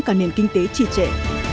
cả nền kinh tế trì trệ